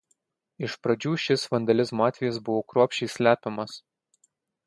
Iš pradžių šis vandalizmo atvejis buvo kruopščiai slepiamas.